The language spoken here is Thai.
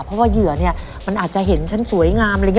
เพราะว่าเหยื่อเนี่ยมันอาจจะเห็นฉันสวยงามอะไรอย่างนี้